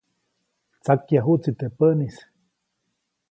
Tsakyajuʼtsi teʼ päʼnis.